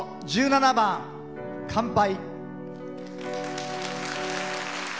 １７番「乾杯」。